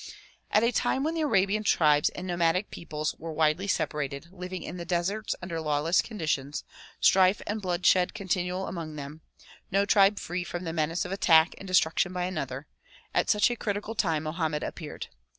At a time when the Arabian tribes and nomadic peoples were widely separated, living in the deserts under lawless conditions, strife and bloodshed continual among them, no tribe free from the menace of attack and destruction by another, — at such a critical time Mohammed appeared.